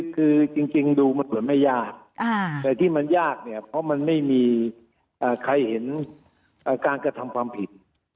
คือจริงดูมันเหมือนไม่ยากแต่ที่มันยากเนี่ยเพราะมันไม่มีใครเห็นการกระทำความผิด